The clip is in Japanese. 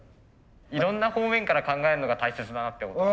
いろんな方面から考えるのが大切だなってことが。